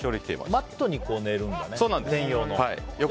マットに寝るんだね、専用の。